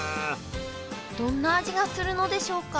どんな味がするのでしょうか？